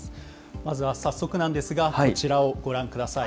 まずは早速なんですが、こちらをご覧ください。